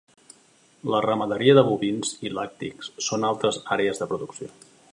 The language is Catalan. La ramaderia de bovins i làctics són altres àrees de producció.